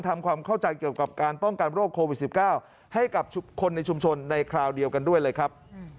ทำความเข้าใจเกี่ยวกับการป้องกันโรคโควิด๑๙ให้กับคนในชุมชนในคราวเดียวกันด้วยเลยครับ